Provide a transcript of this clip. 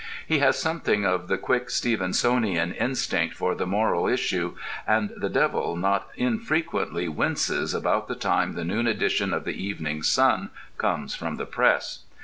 He has something of the quick Stevensonian instinct for the moral issue, and the Devil not infrequently winces about the time the noon edition of the Evening Sun comes from the press.